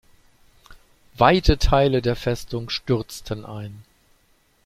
Weite Teile der Festung stürzten ein.